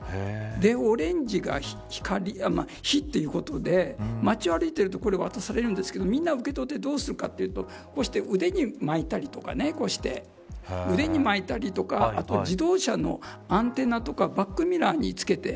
オレンジがひ、ということで街を歩いているとこれ渡されるんですけどみんな受け取ってどうするかというとこうして腕に巻いたりとかあと自動車のアンテナとかバックミラーに付けて。